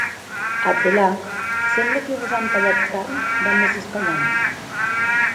Ath delà, semble que vos an talhat carn damb es estalhants.